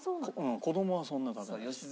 子どもはそんな食べない。